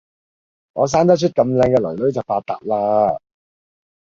我生得出咁靚嘅囡囡就發達啦！